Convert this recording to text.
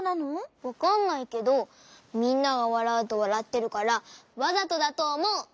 わかんないけどみんながわらうとわらってるからわざとだとおもう！